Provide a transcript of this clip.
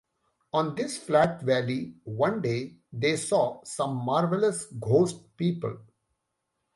On this flat valley one day they saw some marvelous ghost people.